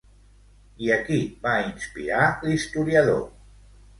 I a qui va inspirar l'historiador?